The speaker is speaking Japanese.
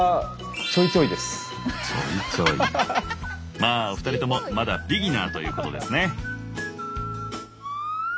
まあお二人ともまだビギナーということですね。